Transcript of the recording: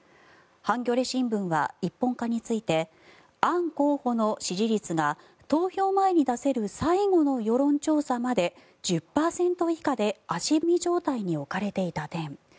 ハンギョレ新聞は一本化についてアン候補の支持率が投票前に出せる最後の世論調査まで１０％以下で足踏み状態に置かれていた点。